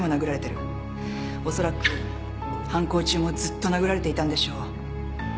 おそらく犯行中もずっと殴られていたんでしょう。